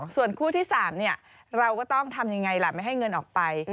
ส่วนคู่ที่๓เราก็ต้องทำยังไงล่ะไม่ให้เงินออกไป